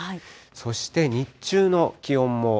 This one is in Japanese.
そして日中の気温も。